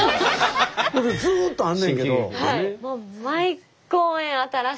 それでずっとあんねんけど。